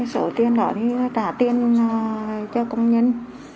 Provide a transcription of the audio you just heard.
số tiền đó thì trả tiền cho công nhân